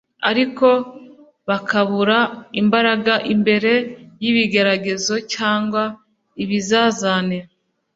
ariko bakabura imbaraga imbere y'ibigeragezo cyangwa ibizazane.